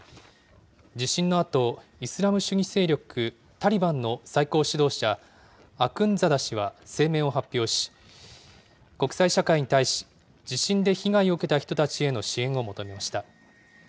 地震のあと、イスラム主義勢力タリバンの最高指導者、アクンザダ師は声明を発表し、国際社会に対し、地震で被害を受けた人たちへの支援を求めました。